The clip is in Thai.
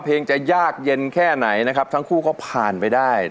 จะยากเย็นแค่ไหนนะครับทั้งคู่ก็ผ่านไปได้